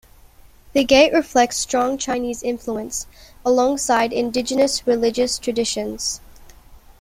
The gate reflects strong Chinese influence, alongside indigenous religious traditions.